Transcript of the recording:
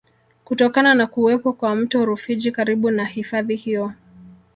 Kutokana na kuwepo kwa mto Rufiji karibu na hifadhi hiyo